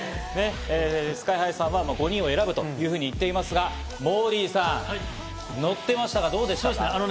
ＳＫＹ−ＨＩさんは５人を選ぶと言っていますが、モーリーさん、のってましたね。